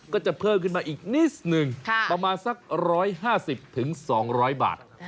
ก็จะเพิ่มขึ้นมาอีกนิดหนึ่งประมาณสัก๑๕๐๒๐๐บาท